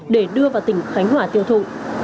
để đưa vào tỉnh khánh hòa tiêu thụ